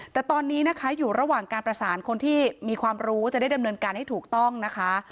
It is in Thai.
แต่ตอนนี้นะคะอยู่ระหว่างการประสานคนที่มีความรู้จะได้ดำเนินการให้ถูกต้องนะคะ